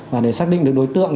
và để xác định được đối tượng